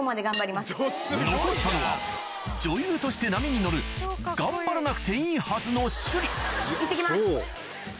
残ったのは女優として波に乗る頑張らなくていいはずの趣里いってきます。